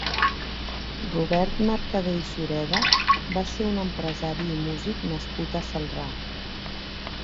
Robert Mercader i Sureda va ser un empresari i músic nascut a Celrà.